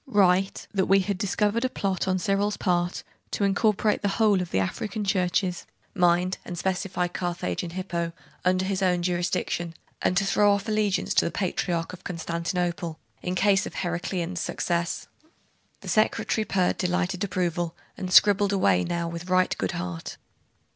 Write, that we had discovered a plot on Cyril's part to incorporate the whole of the African churches (mind and specify Carthage and Hippo) under his own jurisdiction, and to throw off allegiance to the Patriarch of Constantinople, in case of Heraclian's success.' The secretary purred delighted approval, and scribbled away now with right good heart.